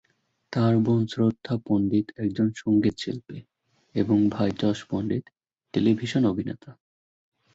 তার বোন শ্রদ্ধা পণ্ডিত একজন সঙ্গীতশিল্পী, এবং ভাই যশ পণ্ডিত টেলিভিশন অভিনেতা।